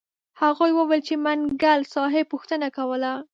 هغوی وویل چې منګل صاحب پوښتنه کوله.